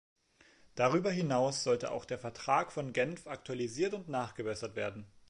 Darüber hinaus sollte auch der Vertrag von Genf aktualisiert und nachgebessert werden.